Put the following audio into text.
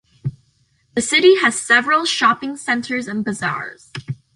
The city has several shopping centers and bazaars.